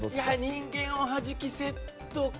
人間おはじきセット